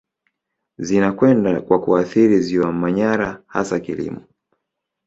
Zinakwenda kwa kuathiri ziwa Manyara hasa kilimo